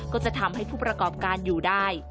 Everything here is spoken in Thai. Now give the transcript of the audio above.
ก็จะทำให้ผู้ประกอบการอยู่ได้